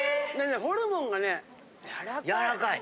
ホルモンがねやらかい。